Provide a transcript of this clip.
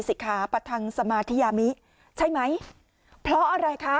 สิคะประทังสมาธิยามิใช่ไหมเพราะอะไรคะ